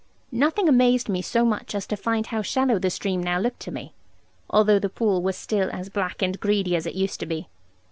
Nothing amazed me so much as to find how shallow the stream now looked to me, although the pool was still as black and greedy as it used to be.